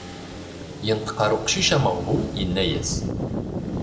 Yenṭeq ar uqcic ameɣbun yenna-as.